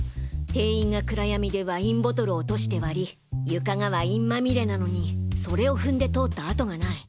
店員が暗闇でワインボトルを落として割り床がワインまみれなのにそれを踏んで通った跡がない。